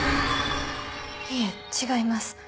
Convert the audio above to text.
いえ違います。